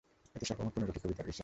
এতে সর্বমোট পনেরোটি কবিতা রয়েছে।